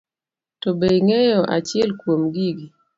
To be ing'eyo achiel kuom gigi.